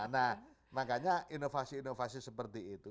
nah makanya inovasi inovasi seperti itu